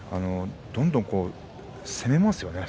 どんどん攻めますよね